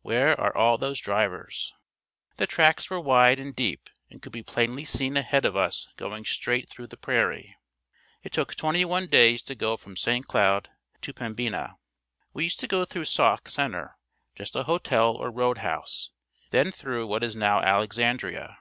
Where are all those drivers? The tracks were wide and deep and could be plainly seen ahead of us going straight through the prairie. It took twenty one days to go from St. Cloud to Pembina. We used to go through Sauk Center, just a hotel or road house, then through what is now Alexandria.